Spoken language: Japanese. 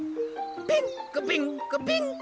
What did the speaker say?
ピンクピンクピンク！